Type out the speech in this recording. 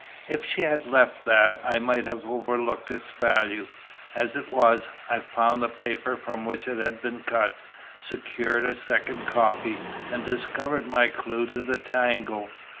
If she had left that I might have overlooked its value. As it was, I found the paper from which it had been cut, secured a second copy, and discovered my clue to the tangle.